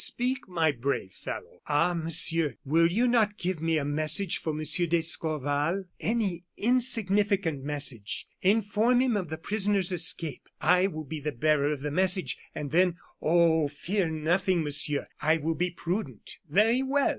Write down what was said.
"Speak, my brave fellow." "Ah! Monsieur, will you not give me a message for Monsieur d'Escorval? Any insignificant message inform him of the prisoner's escape. I will be the bearer of the message, and then Oh! fear nothing, Monsieur; I will be prudent." "Very well!"